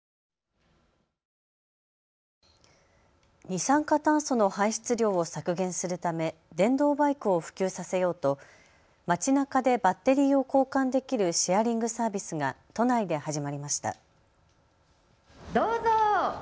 二酸化炭素の排出量を削減するため電動バイクを普及させようと街なかでバッテリーを交換できるシェアリングサービスが都内で始まりました。